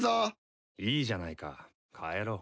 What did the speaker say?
いいじゃないか帰ろう。